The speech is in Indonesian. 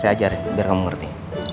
saya ajar biar kamu ngerti